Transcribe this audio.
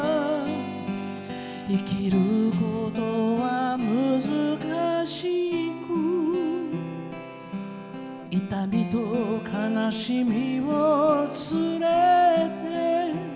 「生きることは難しく痛みと悲しみを連れて」